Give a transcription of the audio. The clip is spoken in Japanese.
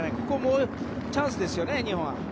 ここはチャンスですね、日本は。